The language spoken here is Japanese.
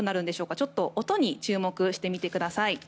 ちょっと音に注目してみてください。